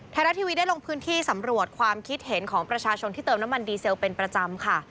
ไทยรัฐทีวีได้ลงพื้นที่สำรวจความคิดเห็นของประชาชนที่เติมน้ำมันดีเซลเป็นประจำค่ะ